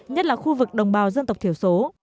nhất là khu vực đồng bào dân tộc thiểu số